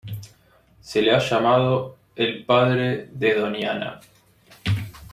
Se le ha llamado ""el Padre de Doñana"".